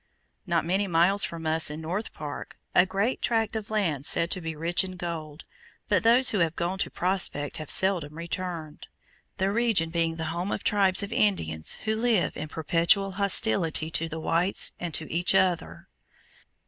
Not many miles from us is North Park, a great tract of land said to be rich in gold, but those who have gone to "prospect" have seldom returned, the region being the home of tribes of Indians who live in perpetual hostility to the whites and to each other.